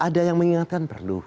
ada yang mengingatkan perlu